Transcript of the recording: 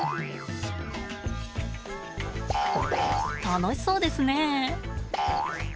楽しそうですね。